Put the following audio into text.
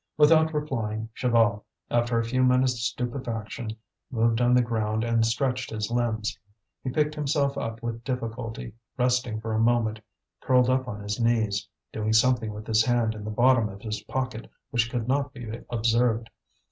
Without replying, Chaval, after a few minutes' stupefaction, moved on the ground and stretched his limbs. He picked himself up with difficulty, resting for a moment curled up on his knees, doing something with his hand in the bottom of his pocket which could not be observed.